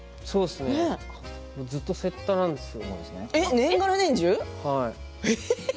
ずっとせったなんですよ。